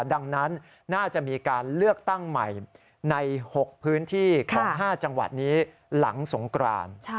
ดังนั้นน่าจะมีการเลือกตั้งใหม่ใน๖พื้นที่ของ๕จังหวัดนี้หลังสงกราน